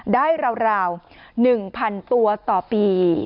ราว๑๐๐๐ตัวต่อปี